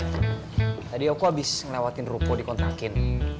tadi aku abis ngelewatin rupo di kontrakin